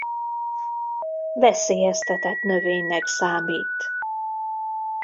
Veszélyeztetett növénynek számít.